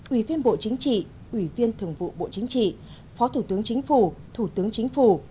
ubnd bộ chính trị ubnd thượng vụ bộ chính trị phó thủ tướng chính phủ thủ tướng chính phủ